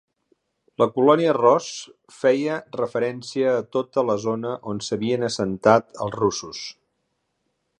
La colònia Ross feia referència a tota la zona on s'havien assentat els russos.